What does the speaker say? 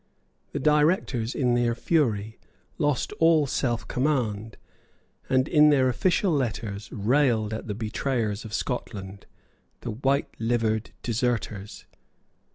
The Directors, in their fury, lost all self command, and, in their official letters, railed at the betrayers of Scotland, the white livered deserters.